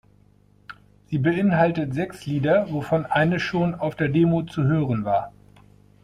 Sie beinhaltet sechs Lieder, wovon eines schon auf der Demo zu hören war.